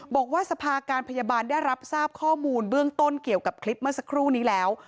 บอกว่าสภาการพยาบาลได้รับทราบข้อมูลเบื้องต้นเกี่ยวกับคลิปเมื่อสักครู่นี้แล้ว